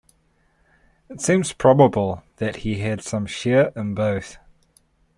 It seems probable that he had some share in both.